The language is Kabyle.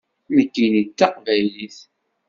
Nekkini d taqbaylit.